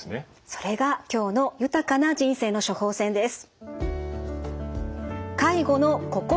それが今日の「豊かな人生の処方せん」です。